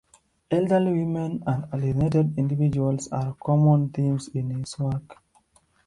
Elderly women and alienated individuals are common themes in his work.